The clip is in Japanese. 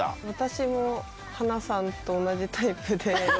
私も、はなさんと同じタイプで。